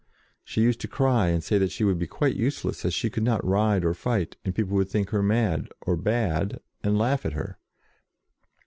She used to cry, and say that she would be quite useless, as she could not ride or fight, and people would think her mad, or bad, and laugh at her.